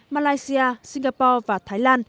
malaysia singapore và thái lan